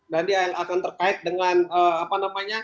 dan dia akan terkait dengan